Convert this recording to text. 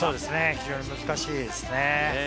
非常に難しいですね。